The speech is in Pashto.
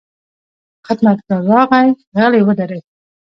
خدمتګار راغی، غلی ودرېد.